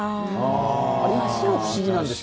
あれ、いっつも不思議なんですよ。